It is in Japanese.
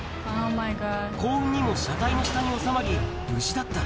幸運にも車体の下に収まり、無事だった。